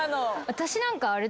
私なんかあれだよ。